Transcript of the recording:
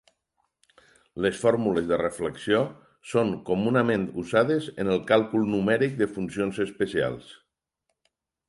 Les fórmules de reflexió són comunament usades en el càlcul numèric de funcions especials.